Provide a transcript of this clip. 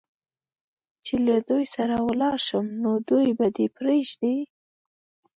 چې له دوی سره ولاړ شم، نو دوی به دې پرېږدي؟